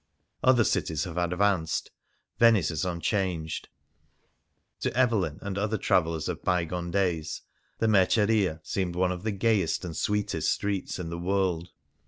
Other cities have advanced, Venice is unchanged. To Evelyn and other travellers of bygone days the Mer ceria seemed one of the gayest and sweetest streets in the world.